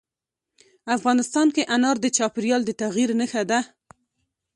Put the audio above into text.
افغانستان کې انار د چاپېریال د تغیر نښه ده.